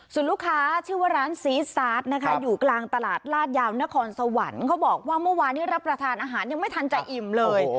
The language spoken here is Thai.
ส่วนลูกค้าชื่อว่าร้านซีสซาสนะคะอยู่กลางตลาดลาดยาวนครสวรรค์เขาบอกว่าเมื่อวานที่รับประทานอาหารยังไม่ทันจะอิ่มเลย